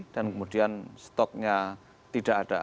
dan kemudian stoknya tidak ada